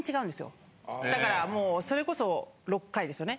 だからもうそれこそ６回ですよね。